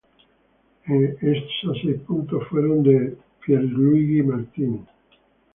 Esos seis puntos fueron de Pierluigi Martini.